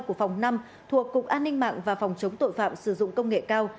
của phòng năm thuộc cục an ninh mạng và phòng chống tội phạm sử dụng công nghệ cao